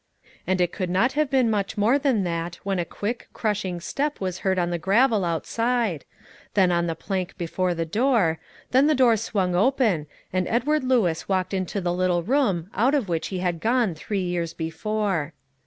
And it could not have been much more than that when a quick, crushing step was heard on the gravel outside, then on the plank before the door, then the door swung open, and Edward Lewis walked into the little room out of which he had gone three years before.